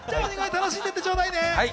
楽しんでってちょうだいね。